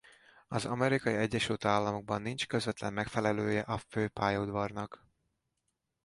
Az Amerikai Egyesült Államokban nincs közvetlen megfelelője a főpályaudvarnak.